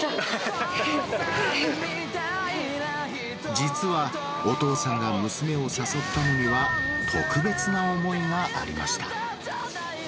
実は、お父さんが娘を誘ったのには、特別な思いがありました。